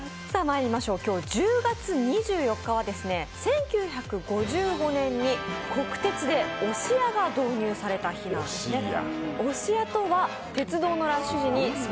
今日１０月２４日は、１９５５年に国鉄で押し屋が導入された日なんです。